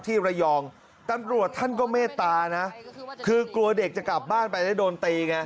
ที่ระยองตำรวจท่านก็เมตตานะคือกลัวเด็กจะกลับบ้านไปแล้วโดนตีไง